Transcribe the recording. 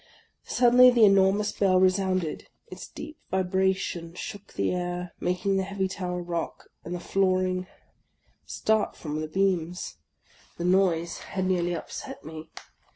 Suddenly the enormous bell resounded; its deep vibration shook the air, making the heavy tower rock, and the flooring start from the beams. The noise had nearly upset me.